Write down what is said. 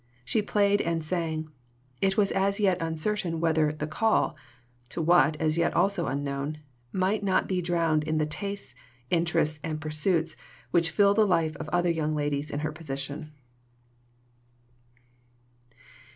She played and sang. It was as yet uncertain whether "the call" to what, as yet also unknown might not be drowned in the tastes, interests, and pursuits which fill the life of other young ladies in her position.